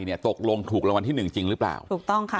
เนี่ยตกลงถูกรางวัลที่หนึ่งจริงหรือเปล่าถูกต้องค่ะ